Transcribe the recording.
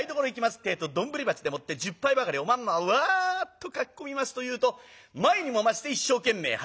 ってえと丼鉢でもって１０杯ばかりおまんまをわっとかき込みますというと前にも増して一生懸命働く。